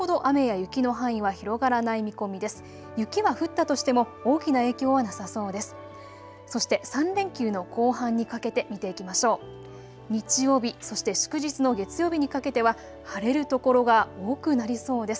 雪は降ったとしても大きな影響はなさそうです。